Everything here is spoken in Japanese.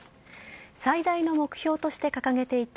最大の目標として掲げていた